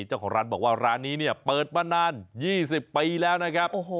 เจ้าของร้านบอกว่าร้านนี้เนี่ยเปิดมานาน๒๐ปีแล้วนะครับ